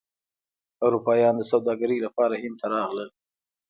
اروپایان د سوداګرۍ لپاره هند ته راغلل.